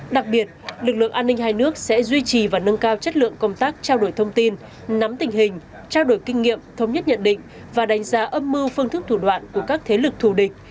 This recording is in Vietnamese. đặc biệt lực lượng an ninh hai nước sẽ duy trì và nâng cao chất lượng công tác trao đổi thông tin nắm tình hình trao đổi kinh nghiệm thống nhất nhận định và đánh giá âm mưu phương thức thủ đoạn của các thế lực thù địch